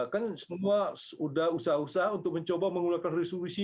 kan semua sudah usaha usaha untuk mencoba mengeluarkan resolusi